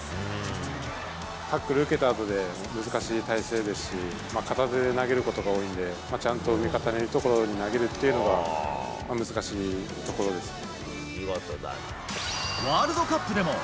タックル受けたあとで、難しい体勢ですし、片手で投げることが多いんで、ちゃんと味方のいる所に投げるっていうのが、難しいところですね。